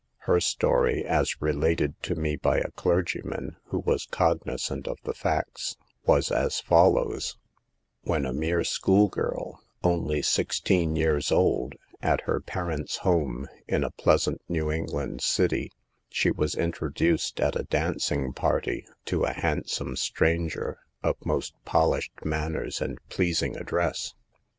Her story, as related to me by a clergyman who was cognizant of the facts, was as follows : When a mere school girl — only sixteen years old — at her parents' home, in a pleasant New England city, she was introduced, at a dancing party, to a handsome stranger, of most polished manners and pleasing address.